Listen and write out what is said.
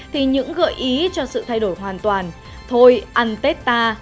thì những gợi ý cho sự thay đổi hoàn toàn thôi ăn tết ta